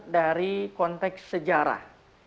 dari konteks sejarah